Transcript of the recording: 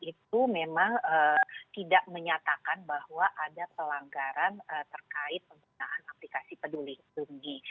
itu memang tidak menyatakan bahwa ada pelanggaran terkait penggunaan aplikasi peduli lindungi